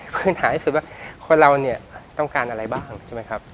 คือหาที่สุดว่าคนเราเนี่ยต้องการอะไรบ้างใช่ไหมครับ